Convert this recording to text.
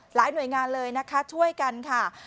หลายหน่วยงานเลยนะคะช่วยกันค่ะ